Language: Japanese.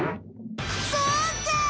そうか！